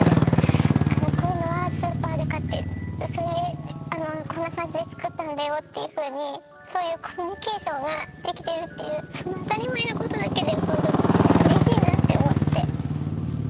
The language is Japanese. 「こういうのはスーパーで買ってこんな感じで作ったんだよ」っていうふうにそういうコミュニケーションができてるっていうその当たり前のことだけでもほんとうれしいなって思って。